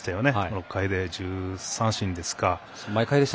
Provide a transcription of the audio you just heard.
６回で１０三振ですか。